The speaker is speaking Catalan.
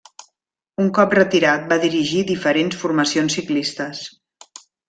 Un cop retirat va dirigir diferents formacions ciclistes.